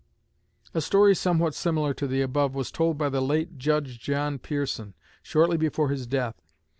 A story somewhat similar to the above was told by the late Judge John Pearson shortly before his death.